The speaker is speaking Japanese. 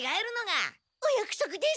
おやくそくですから！